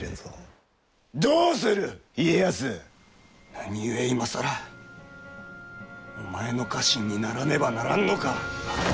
何故今更お前の家臣にならねばならんのか！